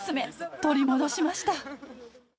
取り戻しました。